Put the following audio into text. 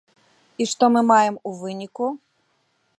І што мы маем у выніку?